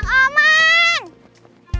kejadianmu tak etiquet